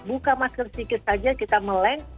buka masker sedikit saja kita meleng